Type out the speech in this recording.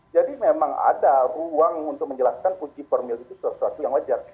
jadi memang ada ruang untuk menjelaskan uji formil itu sesuatu yang wajar